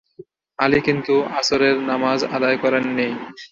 আলী কিন্তু আসরের নামাজ আদায় করেননি।